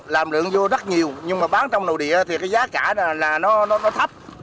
làm lượng vô rất nhiều nhưng mà bán trong nội địa thì cái giá cả là nó thấp